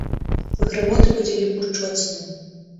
Грымоты будзілі пушчу ад сну.